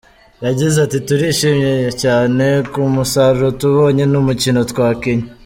Yagize ati “Turishimye cyane ku musaruro tubonye n’umukino twakinnye.